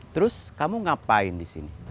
terus kamu ngapain di sini